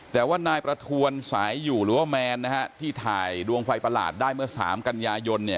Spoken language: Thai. แต่ว่านายประทวณศานะอยู่หรือว่าแมวที่ถ่ายดวงไฟปราหรัดใดเมื่อ๓กัญญายน